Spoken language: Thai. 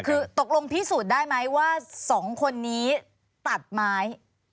คือตกลงพิสูจน์ได้ไหมว่าสองคนนี้ตัดไม้